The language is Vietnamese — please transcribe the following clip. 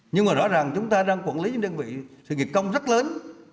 nhưng mà rõ ràng chúng ta đang quản lý những đơn vị sự nghiệp công rất lớn